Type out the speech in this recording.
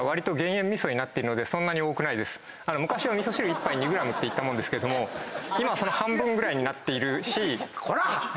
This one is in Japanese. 昔は味噌汁１杯２ｇと言ったもんですけども今その半分ぐらいになっているし。